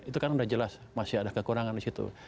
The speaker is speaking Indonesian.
itu kan sudah jelas masih ada kekurangan di situ